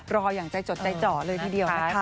รออย่างใจจดใจเจาะเลยทีเดียวนะคะ